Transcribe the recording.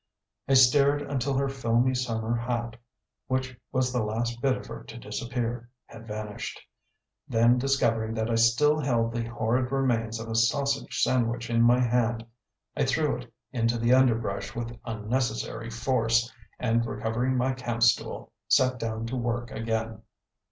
I stared until her filmy summer hat, which was the last bit of her to disappear, had vanished. Then, discovering that I still held the horrid remains of a sausage sandwich in my hand, I threw it into the underbrush with unnecessary force, and, recovering my camp stool, sat down to work again.